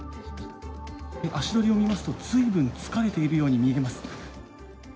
足取りを見ますと、ずいぶん疲れているように見えます。